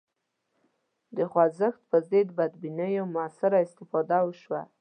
د خوځښت پر ضد بدبینیو موثره استفاده وشوه